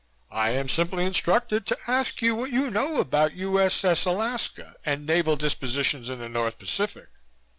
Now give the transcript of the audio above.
I am simply instructed to ask you what you know about U.S.S. Alaska and naval dispositions in the North Pacific."